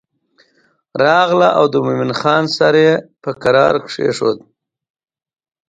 راغله او د مومن خان سر یې په کرار کېښود.